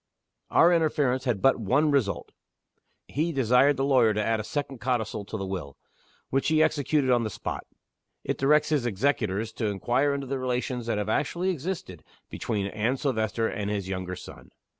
Our interference had but one result. He desired the lawyer to add a second codicil to the Will which he executed on the spot. It directs his executors to inquire into the relations that have actually existed between Anne Silvester and his younger son.